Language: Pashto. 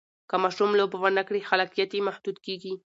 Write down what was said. که ماشوم لوبه ونه کړي، خلاقیت یې محدود کېږي.